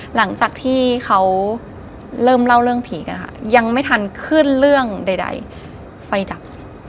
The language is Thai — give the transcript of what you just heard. หลังจากที่เขาเริ่มเล่าเรื่องผีกันค่ะยังไม่ทันขึ้นเรื่องใดไฟดับ